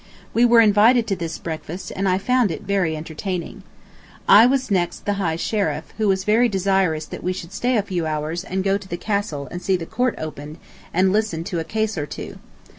We were invited to this breakfast, and I found it very entertaining. I was next the High Sheriff, who was very desirous that we should stay a few hours and go to the castle and see the court opened and listen to a case or two.